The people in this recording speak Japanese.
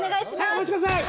お待ちください。